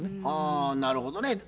あなるほどね。